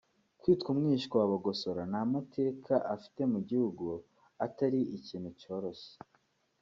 kwitwa mwishywa wa Bagosora n’amateka afite mu gihugu atari ikintu cyoroshye